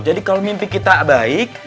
jadi kalau mimpi kita baik